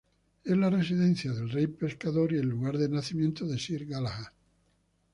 Es la residencia del Rey Pescador, y el lugar de nacimiento de Sir Galahad.